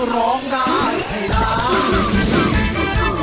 ร้องได้ให้ร้าน